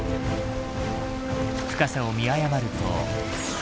深さを見誤ると。